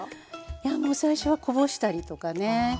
いやもう最初はこぼしたりとかね。